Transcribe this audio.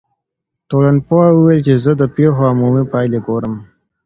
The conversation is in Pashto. ټولنپوه وویل چي زه د پیښو عمومي پایلي ګورم.